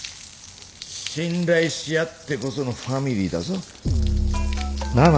信頼し合ってこそのファミリーだぞ。なあ？